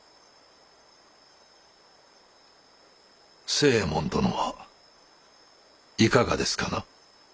星右衛門殿はいかがですかな？